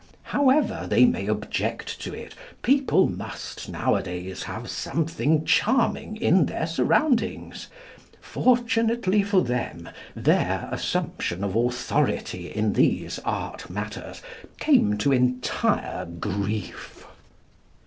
However they may object to it, people must nowadays have something charming in their surroundings. Fortunately for them, their assumption of authority in these art matters came to entire grief.